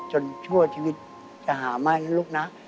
ชั่วชีวิตจะหาไม่นะลูกนะ